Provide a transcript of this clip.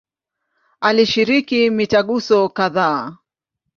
Alishiriki mitaguso kadhaa.